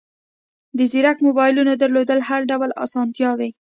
د زیرک موبایلونو درلودل هر ډول اسانتیاوې